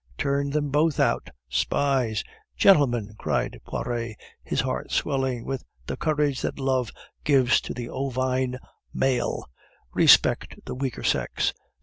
"Turn them both out! Spies!" "Gentlemen," cried Poiret, his heart swelling with the courage that love gives to the ovine male, "respect the weaker sex."